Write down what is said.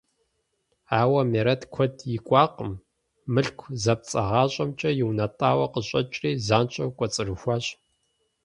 Ауэ Мерэт куэд икӀуакъым: мылыку зэпцӀагъащӀэмкӀэ иунэтӀауэ къыщӀэкӀри занщӀэу кӀуэцӀрыхуащ.